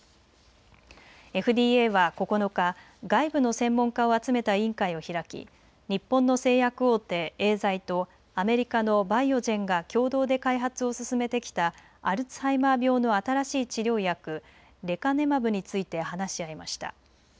ＦＤＡは９日、外部の専門家を集めた委員会を開き日本の製薬大手、エーザイとアメリカのバイオジェンが共同で開発を進めてきたアルツハイマー病の新しい治療薬、レカネマブについて話し合いました。